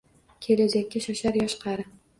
Kelajakka shoshir yosh-qari